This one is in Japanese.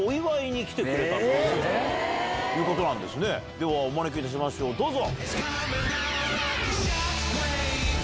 ではお招きいたしましょうどうぞ。